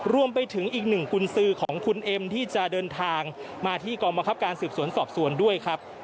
รวมไปถึงอีกหนึ่งกุญสือของคุณเอ็มที่จะเดินทางมาที่กองบังคับการสืบสวนสอบสวนด้วยครับ